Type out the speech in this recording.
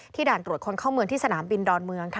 ด่านตรวจคนเข้าเมืองที่สนามบินดอนเมือง